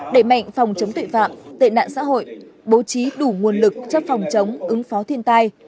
đẩy mạnh phòng chống tội phạm tệ nạn xã hội bố trí đủ nguồn lực cho phòng chống ứng phó thiên tai